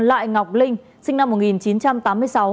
lại ngọc linh sinh năm một nghìn chín trăm tám mươi sáu